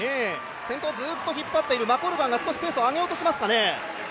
先頭をずっと引っ張っているマコルガンが少しペースを上げようとしていますかね？